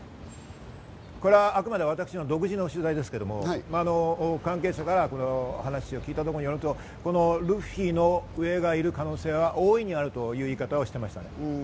私、独自の取材ですけれども、関係者から話を聞いたところによると、ルフィの上がいる可能性は大いにあるという言い方をしていました。